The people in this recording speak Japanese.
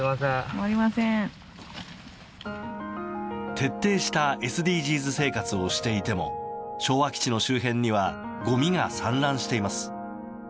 徹底したＳＤＧｓ生活をしていても昭和基地の周辺にはごみが散乱しています。